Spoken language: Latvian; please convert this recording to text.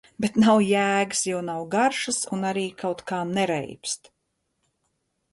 Bet nav jēgas, jo nav garšas un arī kaut kā nereibst.